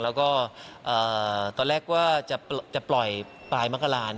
แล้วก็ตอนแรกว่าจะปล่อยปลายมกราน